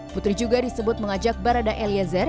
putri juga disebut mengajak barada eliezer